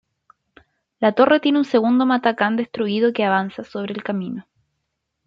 La torre tiene un segundo matacán destruido que avanza sobre el camino".